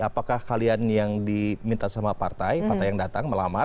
apakah kalian yang diminta sama partai partai yang datang melamar